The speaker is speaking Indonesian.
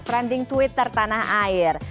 trending twitter tanah air